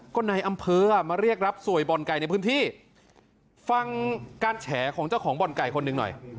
ก็ในอำเภอมาเรียกรับสวยบ่อนไก่ในพื้นที่ฟังการแฉของเจ้าของบ่อนไก่คนหนึ่งหน่อย